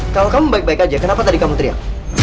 kalau kamu baik baik aja kenapa tadi kamu teriak